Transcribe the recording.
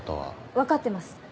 分かってます